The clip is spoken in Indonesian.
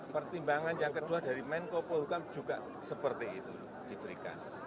pertimbangan yang kedua dari menko polhukam juga seperti itu diberikan